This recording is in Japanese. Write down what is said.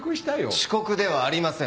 遅刻ではありません。